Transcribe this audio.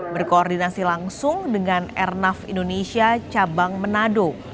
berkoordinasi langsung dengan airnav indonesia cabang menado